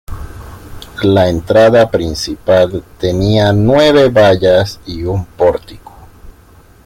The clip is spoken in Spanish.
La entrada principal tenía nueve bayas y un pórtico.